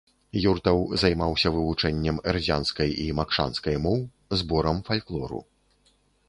Юртаў займаўся вывучэннем эрзянскай і макшанскай моў, зборам фальклору.